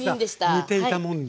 似ていたもんで。